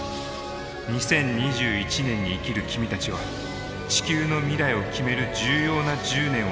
２０２１年に生きる君たちは地球の未来を決める重要な１０年を生きることになる。